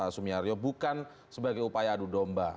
sumiario bukan sebagai upaya adu domba